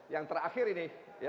yang terakhir ini